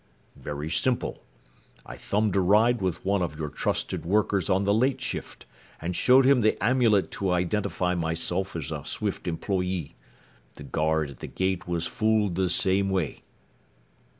"Very simple. I thumbed a ride with one of your trusted workers on the late shift and showed him the amulet to identify myself as a Swift employee. The guard at the gate was fooled the same way."